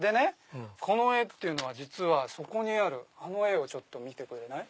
この絵っていうのは実はそこにある絵を見てくれない？